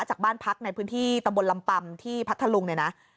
จากบ้านพักในพื้นที่ตำบลลำปำที่พัทธลุงเนี่ยนะ